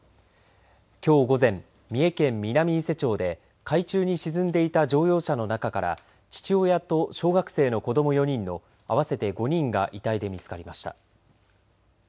きょう午前三重県南伊勢町で海中に沈んでいた乗用車の中から父親と小学生の子供４人の合わせて５人が遺体で見つかりました。